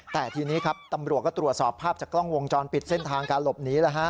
แต่ทีนี้ครับตำรวจก็ตรวจสอบภาพจากกล้องวงจรปิดเส้นทางการหลบหนี